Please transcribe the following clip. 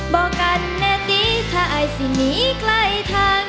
บอกกันแน่ดีถ้าอายสิหนีใกล้ทาง